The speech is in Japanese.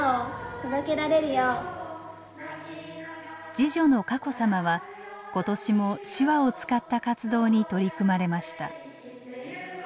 次女の佳子さまは今年も手話を使った活動に取り組まれました。